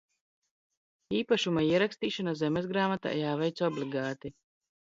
Īpašuma ierakstīšana zemesgrāmatā jāveic obligāti.